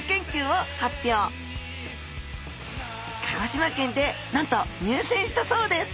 鹿児島県でなんと入選したそうです。